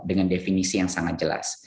dengan definisi yang sangat jelas